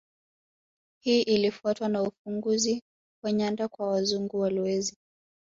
Hii ilifuatwa na ufunguzi wa nyanda kwa Wazungu walowezi